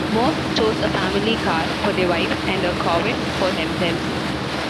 Most chose a family car for their wives and a Corvette for themselves.